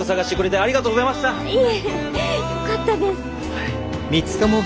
はい。